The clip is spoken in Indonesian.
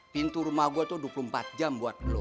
pintu rumah gue tuh dua puluh empat jam buat lo